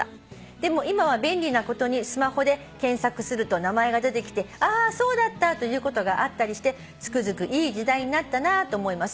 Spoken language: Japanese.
「でも今は便利なことにスマホで検索すると名前が出てきてあそうだったということがあったりしてつくづくいい時代になったなと思います」